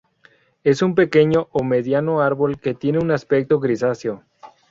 Es un pequeño o mediano árbol que tiene un aspecto grisáceo.